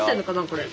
これ。